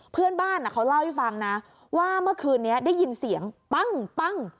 เพื่อนบ้านเขาเล่าให้ฟังนะว่าเมื่อคืนนี้ได้ยินเสียงปั้ง